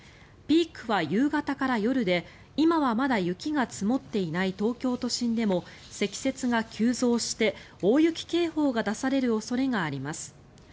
ピークは夕方から夜で今はまだ雪が積もっていない東京都心でも積雪が急増して大雪警報が出される恐れがあります。